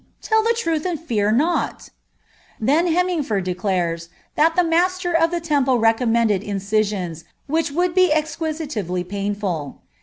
Tell the truth, and fear not P' Then Hemingfoid * declares, Ulster of the Temple recommended incisions, which would be 'dy painful.